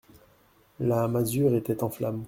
La masure était en flammes.